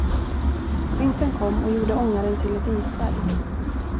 Vintern kom och gjorde ångaren till ett isberg.